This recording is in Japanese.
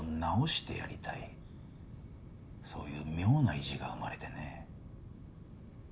そういう妙な意地が生まれてね。